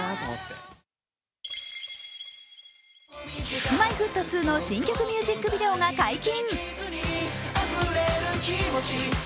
Ｋｉｓ−Ｍｙ−Ｆｔ２の新曲ミュージックビデオが解禁。